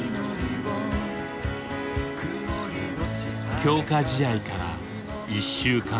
強化試合から１週間後。